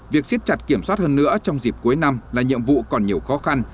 việc xiết chặt kiểm soát hơn nữa trong dịp cuối năm là nhiệm vụ còn nhiều khó khăn